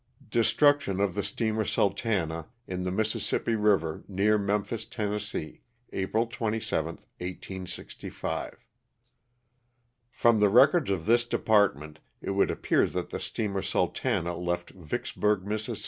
Destruction of the Steamer '* Sultana^' in the Mississippi River, near Memphis, Tenn., April 27, 1865, From the records of this Department it would appear that the steamer "Sultana" left Vicksburg, Miss.